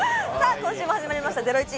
今週も始まりました『ゼロイチ』。